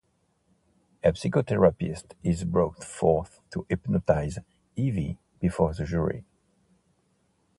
A psychotherapist is brought forth to hypnotize Ivy before the jury.